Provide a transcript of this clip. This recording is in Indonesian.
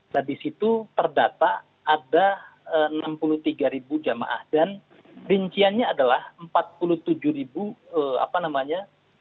nah di situ terdata ada enam puluh tiga ribu jamaah dan rinciannya adalah empat puluh tujuh ribu apa namanya